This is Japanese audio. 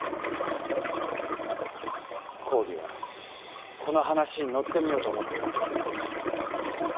公儀はこの話に乗ってみようと思っておりまする。